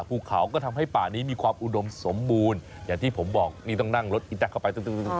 ภูเขาก็ทำให้ป่านี้มีความอุดมสมบูรณ์อย่างที่ผมบอกนี่ต้องนั่งรถอีแต๊กเข้าไป